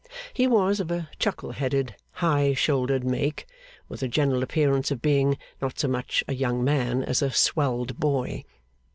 He was of a chuckle headed, high shouldered make, with a general appearance of being, not so much a young man as a swelled boy.